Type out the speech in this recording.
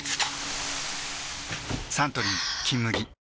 サントリー「金麦」